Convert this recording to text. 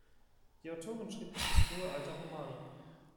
Die Autorin schrieb bis ins hohe Alter Romane.